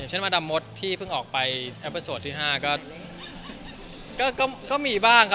อย่างเช่นมาดามมดที่เพิ่งออกไปอัปโปรโสต์ที่๕ก็มีบ้างครับ